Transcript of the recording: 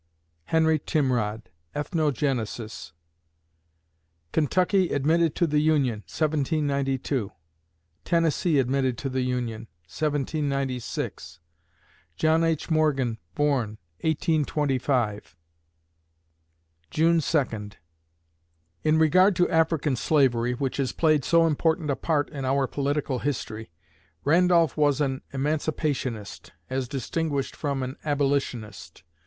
HENRY TIMROD (Ethnogenesis) Kentucky admitted to the Union, 1792 Tennessee admitted to the Union, 1796 John H. Morgan born, 1825 June Second In regard to African Slavery, which has played so important a part in our political history, Randolph was an Emancipationist, as distinguished from an Abolitionist.